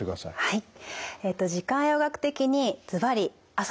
はい。